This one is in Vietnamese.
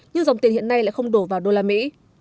nhưng dòng tiền hiện nay lại không đổ vào đô la mỹ